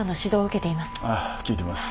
ああ聞いてます。